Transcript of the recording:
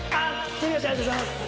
手拍子ありがとうございます。